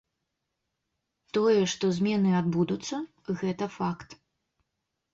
Тое, што змены адбудуцца, гэта факт.